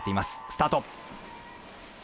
スタート。